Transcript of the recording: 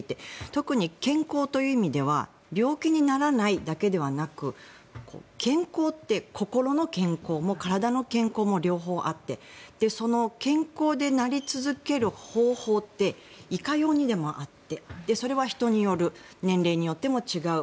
特に健康という意味では病気にならないだけではなく健康って心の健康も体の健康も両方あってその健康でなり続ける方法っていかようにでもあってそれは人による年齢によっても違う